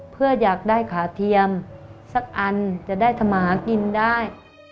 เพื่ออยากได้ขาเทียมสักอันจะได้ทำมาหากินได้